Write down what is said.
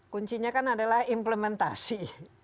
kuncinya kan adalah implementasi